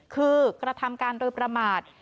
คือกระทำการโดยประมาท